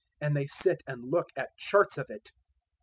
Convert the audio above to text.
and they sit and look at charts of it.